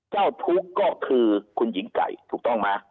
เจ้าทุกข์ก็คือคุณหญิงไก่ถูกต้องไหม